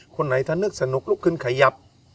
คนไหนถ้านึกสนุกลุกขึ้นขยับ